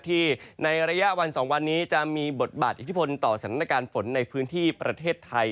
ในระยะวัน๒วันนี้จะมีบทบาทอิทธิพลต่อสถานการณ์ฝนในพื้นที่ประเทศไทย